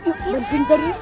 udah openg taruh